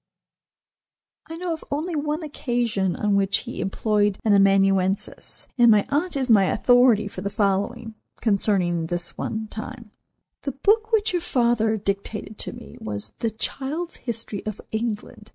I know of only one occasion on which he employed an amanuensis, and my aunt is my authority for the following, concerning this one time: "The book which your father dictated to me was 'The Child's History of England.